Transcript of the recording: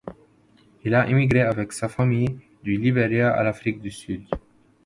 Il a immigré avec sa famille du Libéria à l'Afrique du Sud.